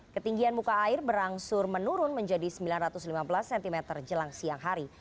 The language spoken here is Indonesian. ketinggian muka air berangsur menurun menjadi sembilan ratus lima belas cm jelang siang hari